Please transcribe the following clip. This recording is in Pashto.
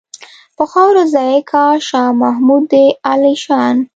په خاورو ځای کا شاه محمود د عالیشان.